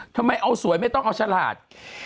ทำไมเอาสวยไม่ต้องเอาฉลาด